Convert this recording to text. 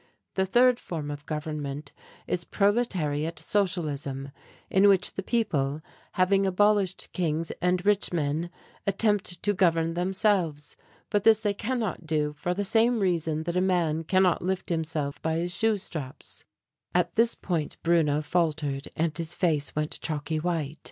The third form of government is proletariat socialism in which the people, having abolished kings and rich men, attempt to govern themselves; but this they cannot do for the same reason that a man cannot lift himself by his shoestraps " At this point Bruno faltered and his face went chalky white.